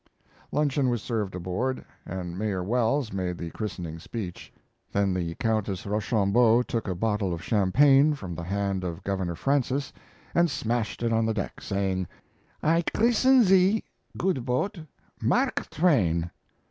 Luncheon was served aboard, and Mayor Wells made the christening speech; then the Countess Rochambeau took a bottle of champagne from the hand of Governor Francis and smashed it on the deck, saying, "I christen thee, good boat, Mark Twain."